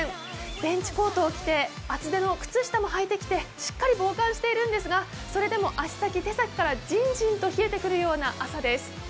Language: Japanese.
ベンチコートを着て厚手の靴下も履いてきてしっかり防寒しているんですがそれでも足先、手先からじんじんと冷えてくるような朝です。